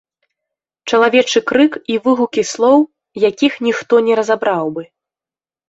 Чалавечы крык і выгукі слоў, якіх ніхто не разабраў бы.